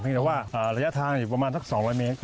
เพียงจะว่าระยะทางอยู่ประมาณสัก๒๐๐เมตร